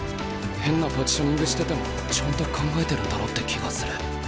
変なポジショニングしててもちゃんと考えてるんだろうって気がする。